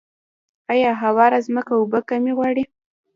آیا هواره ځمکه اوبه کمې غواړي؟